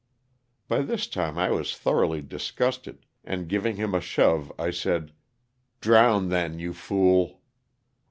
By this time I was thoroughly disgusted, and giving him a shove, I said, "drown then you fool."